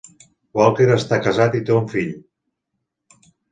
Walker està casat i té un fill.